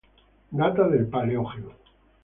Data del Paleógeno.